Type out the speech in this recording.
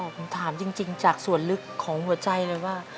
ผมถามจริงจากส่วนลึกของหัวใจเลยว่า